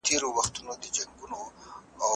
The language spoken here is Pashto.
د طالبانو سپین بیرغ په باد کې رپېده.